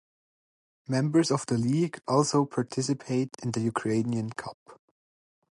Members of the league also participate in the Ukrainian Cup.